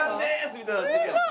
みたいになってるやん。